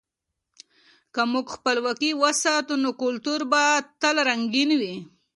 که موږ خپلواکي وساتو، نو کلتور به تل رنګین وي.